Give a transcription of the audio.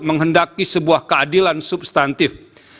menghendaki sebuah keadilan substantif